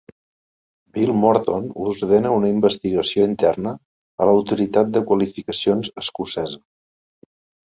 Bill Morton ordena una investigació interna a l'Autoritat de Qualificacions Escocesa.